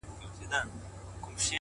پام کوه غزل در نه بې خدايه نه سي!